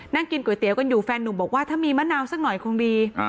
นั่งกินก๋วยเตี๋ยวกันอยู่แฟนหนุ่มบอกว่าถ้ามีมะนาวสักหน่อยคงดี